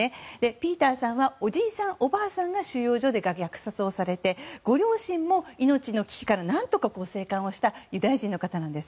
ピーターさんはおじいさん、おばあさんが収容所で虐殺をされてご両親も命の危機から何とか生還をしたユダヤ人の方です。